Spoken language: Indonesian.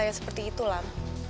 kay saya seperti itulah